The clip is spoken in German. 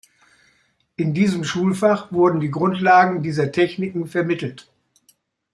In diesem Schulfach wurden die Grundlagen dieser Techniken vermittelt.